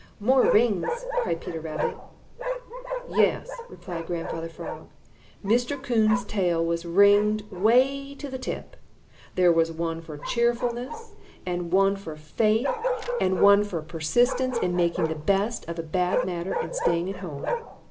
"More rings," cried Peter Rabbit. "Yes," replied Grandfather Frog, "Mr. Coon's tail was ringed way to the tip. There was one for cheerfulness, and one for faith, and one for persistence in making the best of a bad matter and staying at home.